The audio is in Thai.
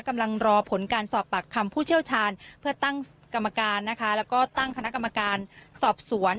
กำลังรอผลการสอบปากคำผู้เชี่ยวชาญเพื่อตั้งกรรมการนะคะแล้วก็ตั้งคณะกรรมการสอบสวน